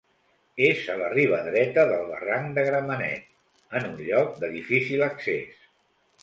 És a la riba dreta del barranc de Gramenet, en un lloc de difícil accés.